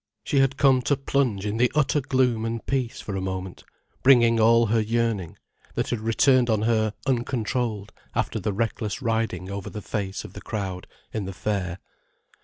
She had come to plunge in the utter gloom and peace for a moment, bringing all her yearning, that had returned on her uncontrolled after the reckless riding over the face of the crowd, in the fair.